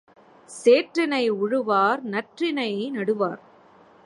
சேற்றினை உழுவார் நற்றினை நடுவார்